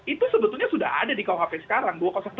itu sebetulnya sudah ada di kau hp sekarang